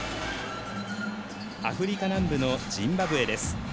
アフリカ南部のジンバブエです。